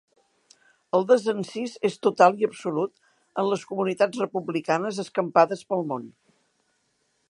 El desencís és total i absolut en les comunitats republicanes escampades pel món.